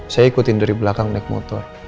saya ikutin dari belakang naik motor